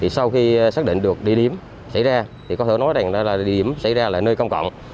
sau khi xác định được địa điểm xảy ra thì có thể nói rằng là địa điểm xảy ra là nơi công cộng